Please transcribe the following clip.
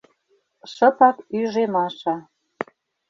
— шыпак ӱжӧ Маша.